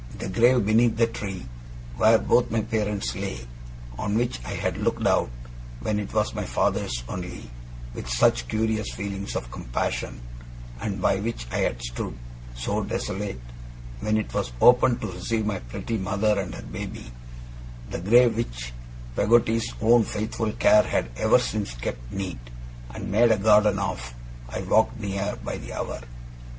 The grave beneath the tree, where both my parents lay on which I had looked out, when it was my father's only, with such curious feelings of compassion, and by which I had stood, so desolate, when it was opened to receive my pretty mother and her baby the grave which Peggotty's own faithful care had ever since kept neat, and made a garden of, I walked near, by the hour.